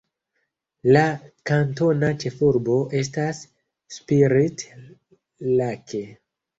La kantona ĉefurbo estas Spirit Lake.